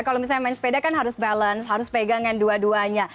kalau misalnya main sepeda kan harus balance harus pegangan dua duanya